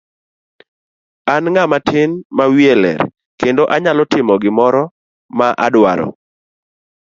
An ng'ama tin ma wiye ler kendo anyalo timo gimoro ma adwaro.